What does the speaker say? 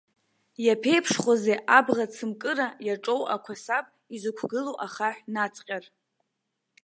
Иаԥеиԥшхозеи абӷацымкыра иаҿоу ақәасаб, изықәгылоу ахаҳә наҵҟьар?